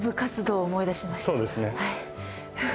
そうですね。